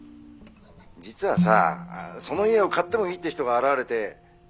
実はさその家を買ってもいいって人が現れて。